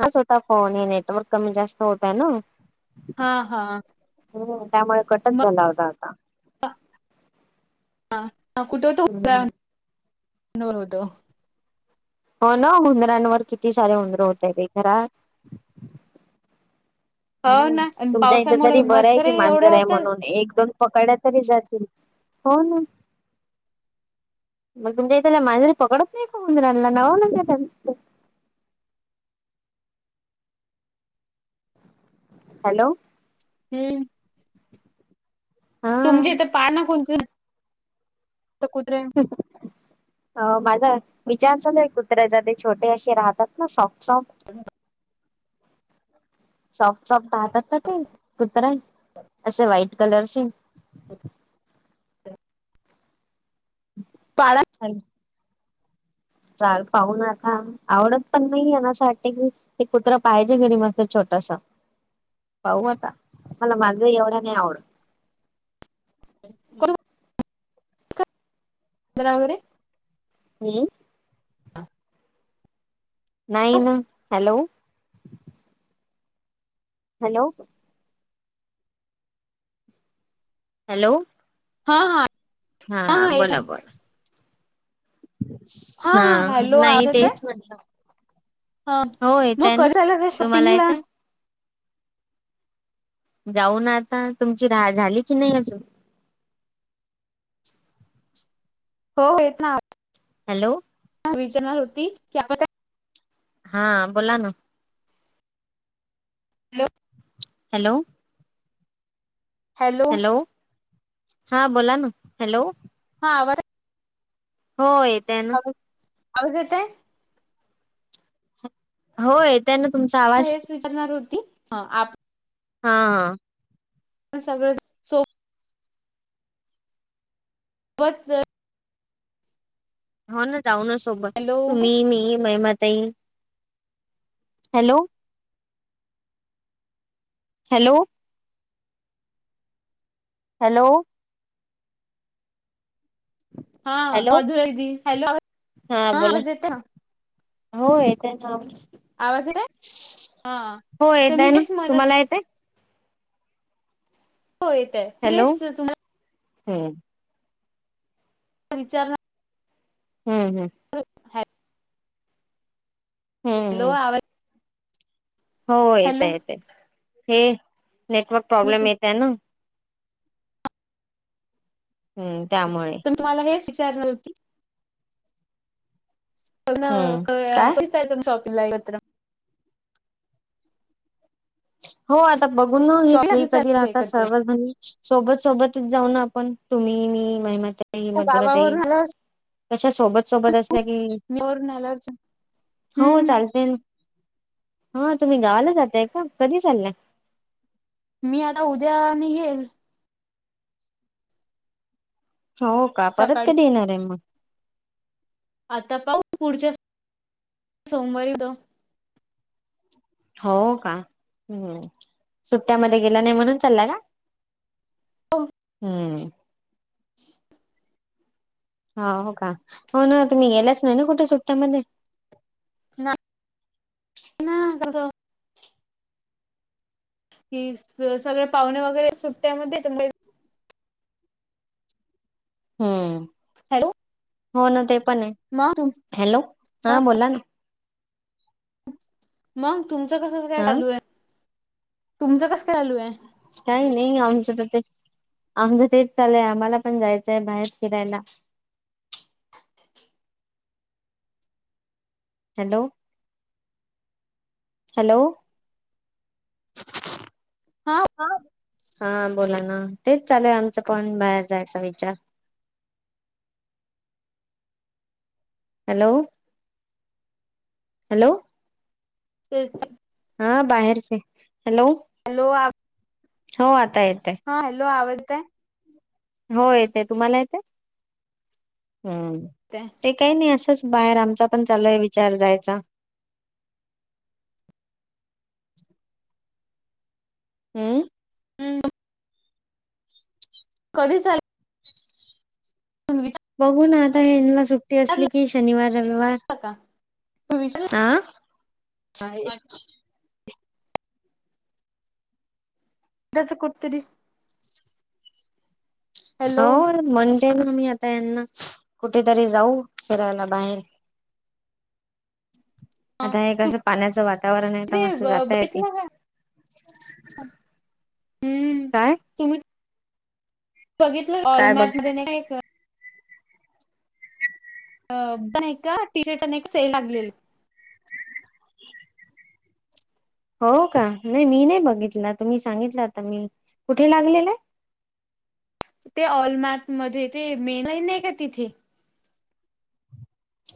हा स्वतः [inaudible] फोन हे नेटवर्क कमी जास्त होतय ना हा हा हम् त्यामुळे कटच झाला होता आता हा-कुठ-होत-हो- [unintelligible] नोड हो ना हुंद्रांवर किती सारे हुंदरे होतय ब घरात हो हम्म ना आणि तुमच्या इथ पावसामुळे तरी बरंय कि मच्छरही एवढे मांजर आहे होतच म्हणून एक दोन पकड तरी जातील हो ना मग तुमच्या इथला मांजरी पकडत नाही उंदरांना [inaudible] हॅलो हम्म- हा तुमचे तर पाह ना [inaudible] कोणत त कुतरे अ माझा मीचांसल कुत्र्याचा ते छोटे अशे राहतात ना सॉफ्ट [unintelligible] सॉफ्ट सॉफ्ट राहतात ना ते कुत्र असे वाईट कलरसिंग पाळा. [unintelligible] चाल पाहू ना आता आवडत पण नाही आहे असं वाटते की ते कुत्र पाहिजे घरी मस्त छोट टस पाहू आता मला मांझ एवढ नाही आवड. [unintelligible] अधरा वगैरे हम्म. Nine hello. हॅलो. हॅलो. हा हा. हा बोला बोला. हा हॅलो नाही आवाज येतोय तेच म्हटलं. हा हो मग येतय ना कर झालं का तुम्हाला शॉपिंगला येतय जाऊन आता तुमची रा झाली की नाही अजून [unintelligible] हो हो य ना. हॅलो. विचारणार होती की आ हा बोला ना. Hello hello. हॅलो. हा बोला ना हॅलो. हर. हो येतय ना. आवा ज येत आहे. होय येतोय ना तुमचा आवाज हेच विचारणार होती ह आप हा हा सब सो होत. हो ना जाऊ ना सोबत हॅलो तुम्ही मी महीमातई हॅलो. हॅलो. हॅलो. हा हॅलो मजू राहि त हॅलो हा बोला आवाज येत. हो येत ना. आवाज येते हा हो तर येत मी आहे ना हेच म्हणत तुम्हाला येतंय. हो येतय हेच तुम्हाला होम्. विचार. हम्म हम्म. हम्म हॅलो हम्म आवाज. हो येत हॅलो येत हे नेटवर्क मी प्रॉब्लेम येत आहे ना. हम्म त्यामुळे न [unintelligible] हम्म काय शॉपिंग ला एकत्र हो आता बघून ना हे शॉपिंगला फ्री कधी चालायचं राहतात एकत्र सर्वजण सोबत सोबत जाऊ ना आपण तुम्ही मी मा मजुरातही गावावरून आल्यावर कशा सोबत सोबत असल्या की वरून आल्यावर हो हम्म चालते हा तुम्ही गावाला जातय का कध चाललंय मी आता उद्या आणि येेईल हो का परत सकाळी कधी येणार आहे मग आता पाऊ पुढच्या सोमवारी त हो का हम्म सुट्ट्यामध्ये गेला नाही म्हणून चालला का हो हम्म हो का. हो ना. तुम्ही गेलाच नाही ना कुठे सुट्ट्यामध्ये? ना ना कस कि सगळे पाहुणे वगैरे सुट्ट्यामध्ये. हम्म हॅलो हो ना ते पण आहे मग हॅलो हा बोला ना मग तुमचं कसच काय हा चालू आहे? तुमचं कस. काही नाही आमचं तर ते. आमचं तेच चालय आम्हाला पण जायचंय बाहेर फिरायला. हॅलो हॅलो हा. हा बोला ना तेच चालूय आमचं पण बाहेर जायचा विचार. हॅलो हॅलो ते ते हा बाहेरचे हॅलो हॅलो आप हो आत हा हॅलो आवडताय? हो येत तुम्हाला येत? हम्म ते काही नाही असंच. बाहेर आमचा पण चालू आहे विचार जायचा. हम्म. हम्म कधी चाले? बघू ना आता हेना सुट्टी विचारला असली की शनिवार रविवार त हा विचार एकदाचा कुठतरी. हो हॅलो मण ना मी आता यांना कुठेतरी जाऊ फिरायला बाहेर. हा आता एकसं पाण्याचं वातावरण आहे तुम्ही तर ते मस्त जाता येते. बघितलं का हम्म काय तुम्ही. बघितलं काय बघ वॉलमार्ट मध्ये नाही का? अ नाही का टी शर्टने एक सेल लागलेली. हो का नाही मी नाही बघितला. तुम्ही सांगितलं आता मी कुठे लागलेलं आहे? ते ऑलमार्ट मध्ये ते मे नाही का तिथे.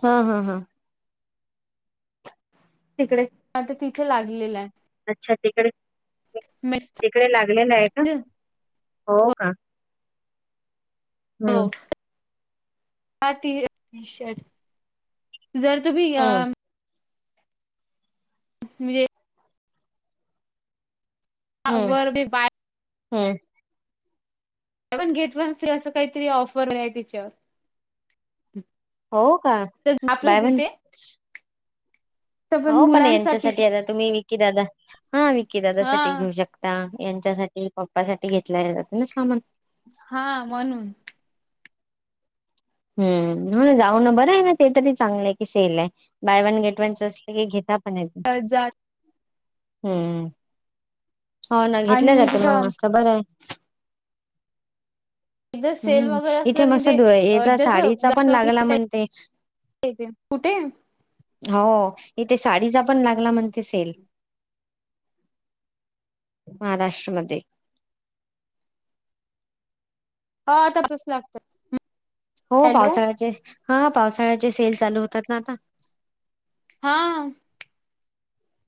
हा हा हा तिकडे तीथे लागलेलं आहे. अच्छा तिकडे मेस तिकडे लागलेला आहे का? हो हो का? हो हम्म. टी शर्ट जर तुम्ही अ हम्म म्हणजे हम्म वर डे बाय. हम्म. सेवन गेट वन फ्री असं काहीतरी ऑफर आहे त्याच्यावर. हो का आपले बाय वन तिथे? तर हो पण मुलांसाठी यांच्यासाठी आता तुम्ही विक्की दादा हा विक्की हा दादासाठी घेऊ शकता. यांच्यासाठी पप्पासाठीठी घेतला जाते ना सामान. हा म्हणून हम्म हो जाऊ ना बरं आहे ना ते तरी चांगलं आहे की सेल आहे बाय वन गेट वनच अस की घेता. पण येत अजात हम्म हो ना घेतल्या आणि जातं मग तिथं मस्त बरं आहे. एकदा सेल हम्म वगैरे इथे असलं कि मसत ते दूवा येत. एकदाच साडीचा पण जास्त अस लागला म्हणते येते कुठे हो इथे साडीचा पण लागला. कोणते सेल महाराष्ट्र मध्ये ह आताचच लागत. हो हॅलो पावसाळ्याचे हा पावसाळ्याचे सेल चालू होतात ना आता हा.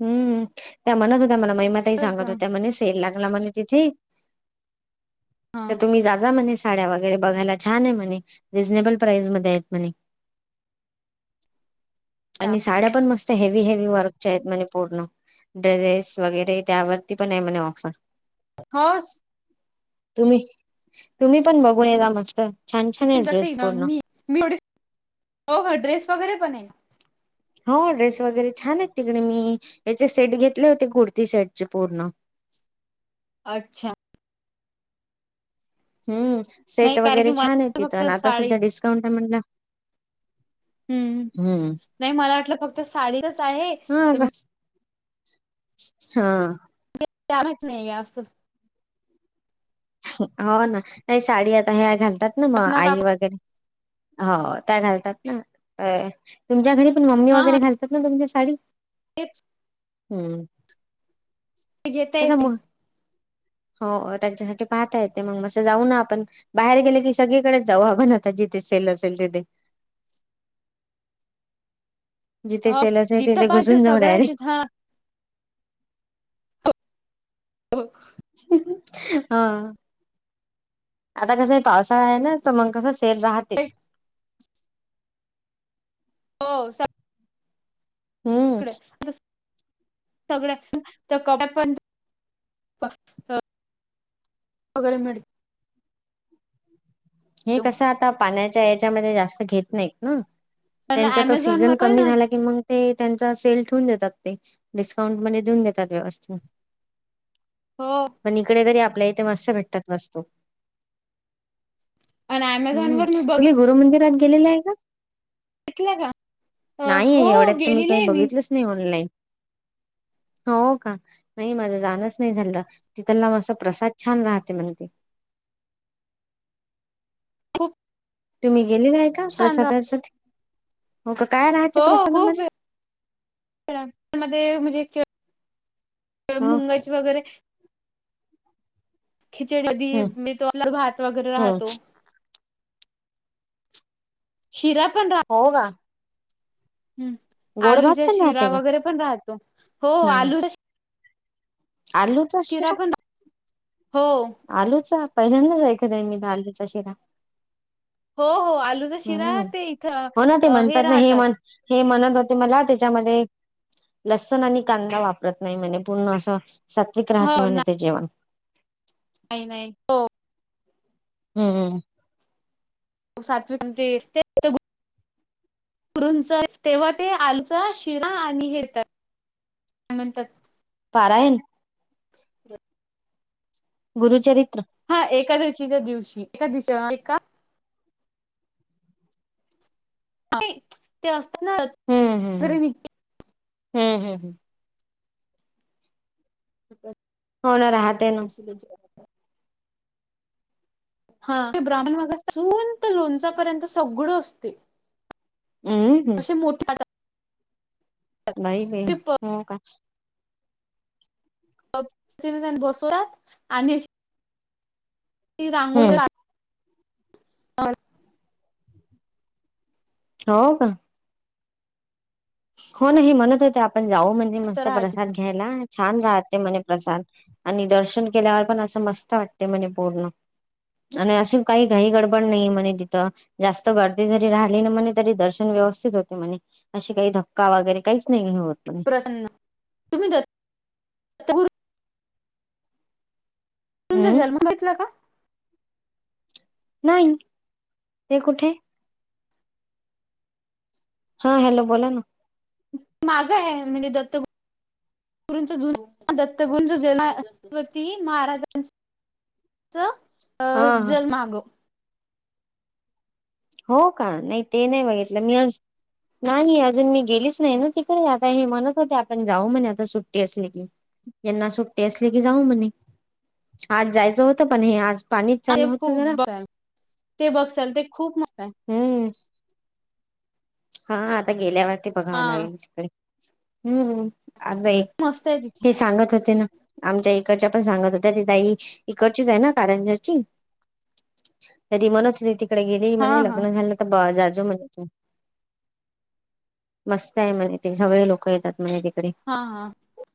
हम्म त्या म्हणत होत मला मैमाताही सांगत होत म्ह सेल लागत. जा जा म्हणे तिथे तुम्ही जा जा म्हणे. साड्या वगैरे बघायला छान आहे म्हणे रिजनेबल प्राईस म आहेत म्हणे [unintelligible] आणि साड्या पण मस्त हेवी हेवी वर्कच्या आहेत म्हणे. पूर्ण ड्रेसेस वगैरे त्यावरती पण आहे म्हणे ऑफर. हस. तुम्ही तुम्ही पण बघून येजा मस्त छान छान आहे तस ड्रेस म पूर्ण मी एवढे हो हो ड्रेस वगैरे पण आहे. हो ड्रेस वगैरे छान आहेत तिकडे मी याचे सेट घेतले होते कुर्ती सेटचे पूर्ण अच्छा! हम्म सेट नाही कारण की वगैरे छान आहे मला फक्त तिथं आता साडी सध्या डिस्काउंट आहे म्हणल हम्म नाही मला वाटलं फक्त साडीचच आहे हा तर मग बस हा. त्यालाच नाही असतच. हो ना नाही साडी आता ह्या घालतात ना मग आई काकू वगैरे हो त्या घालतात ना तुमच्या घरी मम्मी हा वगैरे घालतात ना तुमच्या साडी तेच ह. ते घेत येते. हो त्यांच्यासाठी पाहता येते मग मसं जाऊ ना आपण बाहेर गेले की सगळीकडेच जाऊ आपण आता जिथे सेल असेल तिथे. [unintelligible] जिथे हो सेल असेल तिथे जिथं पाहि तिथं घुसून जाऊ सगळं डिरेक्ट तिथं हा हो. हा आता कस पावसाळा आहे ना तर मग कस. ते राहतेच. हो स हम्म इकडे आतस सगळ्या तर क पण [unintelligible] वगैरे मिळते. हे कसं आता पाण्याच्या याच्यामध्ये जास्त घेत नाहीत ना. पण त्यांचा तर अमेझॉन सीझन वर पण कमी झाला की मग. ते त्यांचा सेल ठेवून देतात ते डिस्काउंटमध्ये देऊन देतात व्यवस्थित हो पण इकडे तरी आपल्या इथे मस्त भेटतात वस्तू आणि अमेझॉन हम्म वर मी तुम्ही गुरुमंदिरात गेलेले आहे का? बघितलं का नाहीय एवढ्यात तर मी काही बघितलंच नाही ऑनलाईन. ह [inaudible] हो का नाही माझं जाणच नाही झालं तिथला मा प्रसाद छान राहते म्हण ते. [inaudible] खूप. तुम्ही गेलेला आहे का छान प्रसादासाठी हो का काय राहते हो खूप प्रसादामध्ये? त्या [unintelligible] मध्ये म्हणजे हो मुंगाची वगैरे. खिचडी कधी हम्म मी तो [unintelligible] भात वगैरे हम्म. राहतो. शिराप. हो का. हम् गोड भात आलूच्या पण शिरा राहते का? वगैरे पण राहतो हो आलू आलूच. [unintelligible] हो आलूचा पहिल्यांदाच ऐकत आहे मी तर आलूचा शिरा. हो हो. आलूचा शिरा हम्म ते इथं हो ना ते अ म्हणतात ना हे राहतात म्हण हे म्हणणं मला त्याच्यामध्ये लसण आणि कांदा वापरत नाही म्हणे पूर्ण असं सात्विक हो राहते म्हणे ते जेवण नाही नाही हो. हम्मम. सात्विक म्हणजे ते [unintelligible] रूंच तेव्हा ते आलूच शिरा आणि हेेत्यात. काय म्हणतात? पारायण. गुरुचरित्र. च्या [unintelligible] दिवशी एका दिव [unintelligible] ए ते असतात ना वगैरे निघ हम् हम् हम्. हो [unintelligible] हो ना राहते ना. हा ते ब्राह्मण मागा संत लोणचापर्यंत सगळं असते. हम् हम्. असे मोठे हातात नाहीई गई हो का. तीने [unintelligible] बसवतात आणि ती रांगोळी हम्म ला [unintelligible] हा. [inaudible] हो का. हो ना हे म्हणत होते आपण जाऊ म्हणजे मस्त राहते प्रसाद ती घ्यायला. छान राहते म्हणे प्रसाद आणि दर्शन केल्यावर पण असं मस्त वाटते म्हणे पूर्ण. आणि अशी काही घाई गडबड नाही म्हणे तिथं जास्त गर्दी जरी राहिली ना म्हणे तरी दर्शन व. व्यवस्थित होते म्हणे अशी काही धक्का वगैरे काहीच नाही. म्हणे प्रसन्न तुम्हीुर [unintelligible] तुजा हम्म जन्म तीतला का नाही ते कुठे हा हॅलो बोला ना माग आहे म्हणजे दत्त ुरुंच जु [unintelligible] दत्तगुरंचा जन [unintelligible] छतपती महाराजांचा अ हा अ हा जलमाग हो का नाही ते नाही बघितलं मी अज नाही अजून मी गेलीच नाही ना तिकडे आता हे म्हणत होते आपण जाऊ म्हणे आता सुट्टी असली की यांना सुट्टी असले की जाऊ म्हणे आज जायचं होतं पण हे आज पाणीच चालू [unintelligible] होतं खूप जरा बघ ते बघसेल ते खूप मस्तताय हम्म हा आता गेल्यावरती बघाव हा लागेल तिकडे हम्म अग बाई मस्त आहे तिथे हे सांगत होते ना आमच्या इकडच्या पण सांगत होत्या तिथई इकडचीच आहे ना कारंजची तरी म्हणत होती तिकडे गेली हा म्हणे हा लग्न झालं तर जाजू म्हण तू मस्त आहे म्हज ते सगळे लोक येतात म्हजे तिकडे हा हा